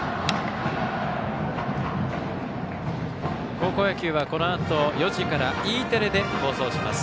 高校野球はこのあと４時からＥテレで放送します。